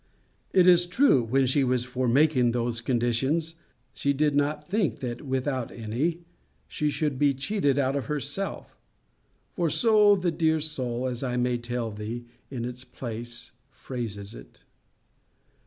It is true, when she was for making those conditions, she did not think, that without any, she should be cheated out of herself; for so the dear soul, as I may tell thee in its place, phrases it.